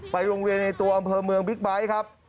โรงเรียนในตัวอำเภอเมืองบิ๊กไบท์ครับ